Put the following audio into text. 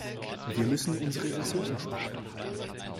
Wir müssen unsere Ressourcen sparen.